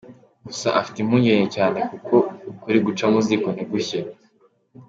Gusa afite impungenge cyane kuko ukuri guca mu ziko ntigushye.